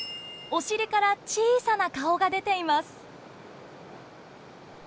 おしりから小さな顔が出ています。